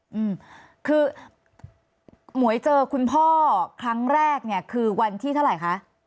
อืมคือหมวยเจอคุณพ่อครั้งแรกเนี้ยคือวันที่เท่าไหร่คะ